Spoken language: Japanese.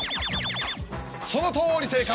そのとおり正解！